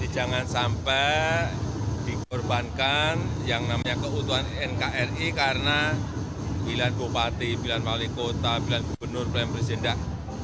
jangan sampai dikorbankan yang namanya keutuhan nkri karena pilihan bupati pilihan wali kota pilihan gubernur pilihan presiden dah